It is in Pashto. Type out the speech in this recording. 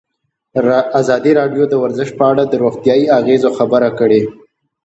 ازادي راډیو د ورزش په اړه د روغتیایي اغېزو خبره کړې.